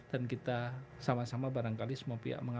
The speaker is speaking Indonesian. dan kita sama sama barangkali semua pihak